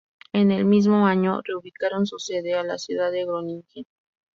En el mismo año re-ubicaron su sede a la ciudad de Groningen.